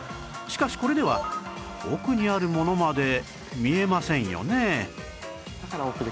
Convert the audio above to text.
しかしこれでは奥にあるものまで見えませんよね